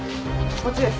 こっちです。